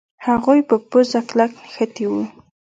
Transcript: هغوی په پوزه کلک نښتي وو.